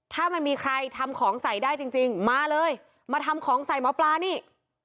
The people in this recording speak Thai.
ถ้ามันมีใครทำของใส่ได้จริงมาเลยมาทำของใส่หมอปลานี่